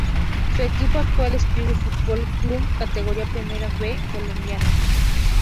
Su equipo actual es Tigres Fútbol Club de Categoría Primera B colombiana.